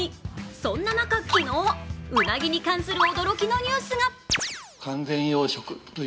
そんな中、昨日、うなぎに関する驚きのニュースが。